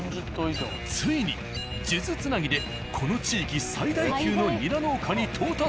ついに数珠つなぎでこの地域最大級のニラ農家に到達。